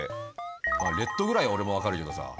まあｒｅｄぐらい俺も分かるけどさ。